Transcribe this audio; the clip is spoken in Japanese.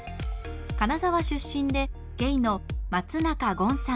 金沢出身でゲイの松中権さん。